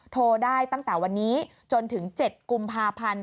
โทรได้ตั้งแต่วันนี้จนถึง๗กุมภาพันธ์